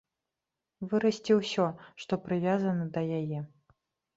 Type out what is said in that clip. Вырасце ўсё, што прывязана да яе.